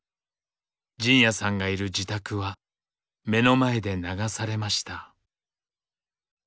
仁也さんがいる自宅は目の前で流されました。